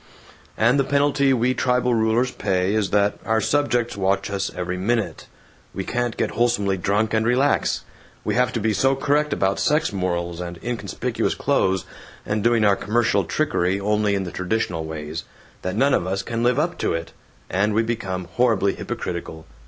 And the penalty we tribal rulers pay is that our subjects watch us every minute. We can't get wholesomely drunk and relax. We have to be so correct about sex morals, and inconspicuous clothes, and doing our commercial trickery only in the traditional ways, that none of us can live up to it, and we become horribly hypocritical.